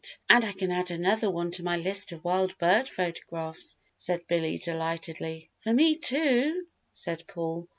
and I can add another one to my list of wild bird photographs," said Billy, delightedly. "For me too," said Paul.